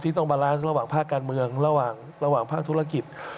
ที่ต้องบาร์แลนซ์ระหว่างภาคการเมืองระหว่างระหว่างภาคธุรกิจ